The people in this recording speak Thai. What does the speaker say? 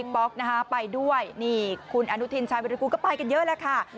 มาไปด้วยนี่คุณอนุทินชายวิทยากรูก็ไปกันเยอะแล้วค่ะ